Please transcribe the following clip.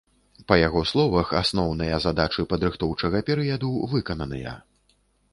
Па яго словах, асноўныя задачы падрыхтоўчага перыяду выкананыя.